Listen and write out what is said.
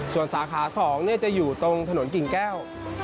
ส่วนสาขา๒จะอยู่ตรงถนนกิ่งแก้ว